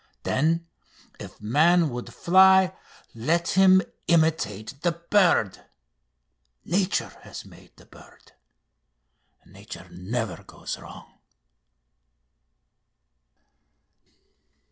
Then, if man would fly, let him imitate the bird. Nature has made the bird. Nature never goes wrong."